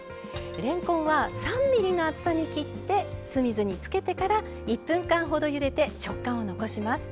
れんこんは３ｍｍの厚さに切って酢水につけてから１分間ほどゆでて食感を残します。